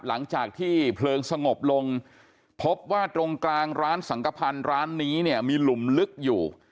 หลังจากที่เพลิงสงบลงพบว่าตรงกลางร้านสังกภัณฑ์ร้านนี้เนี่ยมีหลุมลึกอยู่